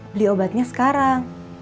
beli obatnya sekarang